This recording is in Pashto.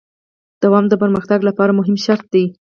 دوام د پرمختګ لپاره مهم شرط دی.